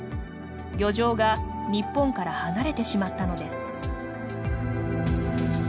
漁場が日本から離れてしまったのです。